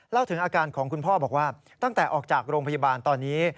ถึงอาการของคุณพ่อบอกว่าตั้งแต่ออกจากโรงพยาบาลตอนนี้